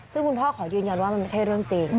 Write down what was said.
ซึ่งคุณพ่อขอยืนยันว่ามันไม่ใช่เรื่องจริง